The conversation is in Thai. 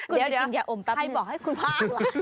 เดี๋ยวใครบอกให้คุณว่ามะ